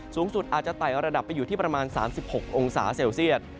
สูงสุดอาจจะไต่ระดับไปอยู่ที่ประมาณ๓๖องศาเซลเซียต